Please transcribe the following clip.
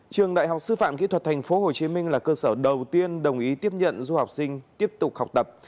trường đại học sư phạm kỹ thuật tp hcm là cơ sở đầu tiên đồng ý tiếp nhận du học sinh tiếp tục học tập